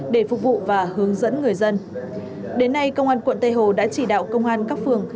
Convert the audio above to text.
để phục vụ và hướng dẫn người dân đến nay công an quận tây hồ đã chỉ đạo công an các phường